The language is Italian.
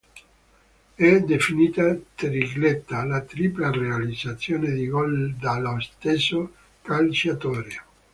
È definita "tripletta" la tripla realizzazione di gol dallo stesso calciatore.